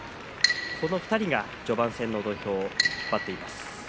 この２人が序盤戦の土俵を引っ張っています。